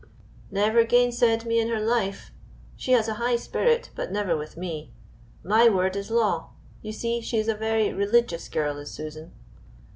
"Never gainsaid me in her life; she has a high spirit, but never with me; my word is law. You see, she is a very religious girl, is Susan."